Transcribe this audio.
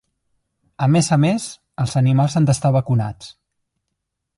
A més a més, els animals han d'estar vacunats.